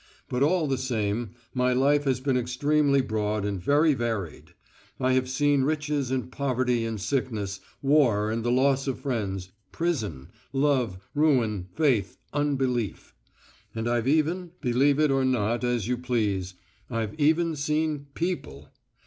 But all the same, my life has been extremely broad and very varied. I have seen riches and poverty and sickness, war and the loss of friends, prison, love, ruin, faith, unbelief. And I've even believe it or not, as you please I've even seen _people.